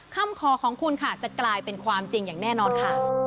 คำขอของคุณค่ะจะกลายเป็นความจริงอย่างแน่นอนค่ะ